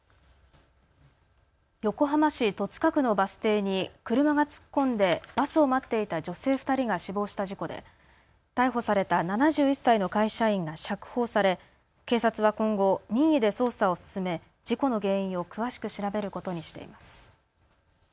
横浜市戸塚区のバス停に車が突っ込んでバスを待っていた女性２人が死亡した事故で逮捕された７１歳の会社員が釈放され警察は今後、任意で捜査を進め事故の原因を詳しく調べることにしています。